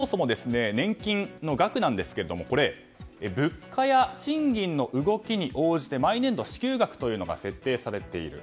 そもそも年金の額なんですが物価や賃金の動きに応じて毎年度、支給額というのが設定されている。